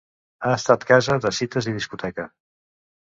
Ha estat casa de cites i discoteca.